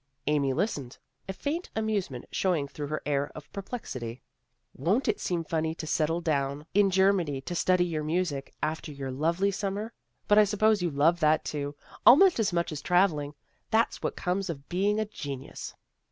Amy listened, a faint amusement showing through her air of perplexity. " Won't it seem funny to settle down in Germany to study your music, after your lovely summer? But I suppose you love that too, almost as much as travelling. That's what comes of being a genius."